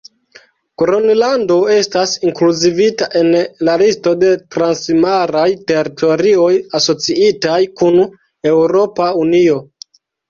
Gronlando estas inkluzivita en la listo de transmaraj teritorioj asociitaj kun Eŭropa Unio.